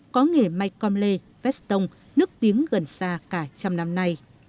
có nghề may com lê vestong nước tiếng gần xa cả trăm năm nay